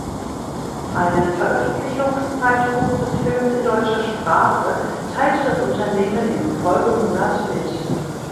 Einen Veröffentlichungszeitpunkt des Films in deutscher Sprache teilte das Unternehmen im Folgemonat mit.